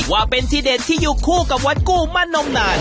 ว่าเป็นที่เด็ดที่อยู่คู่กับวัดกู้มานมนาน